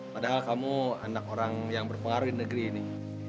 padahal kamu anak orang yang berpengaruh di negeri ini